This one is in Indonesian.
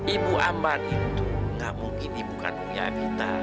ibu ambar itu nggak mungkin ibu kandungnya evita